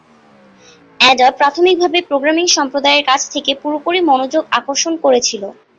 Ada প্রাথমিকভাবে programming সম্প্রদায়ের কাছ থেকে পুরোপুরি মনোযোগ আকর্ষণ করেছিল।